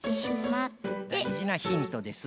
だいじなヒントです。